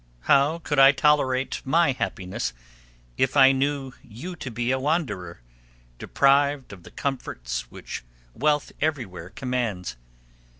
How could I tolerate my happiness if I knew you to be a wanderer, deprived of the comforts which wealth everywhere commands?